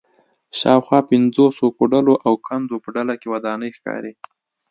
شاوخوا پنځوسو کوډلو او کندو په ډله کې ودانۍ ښکاري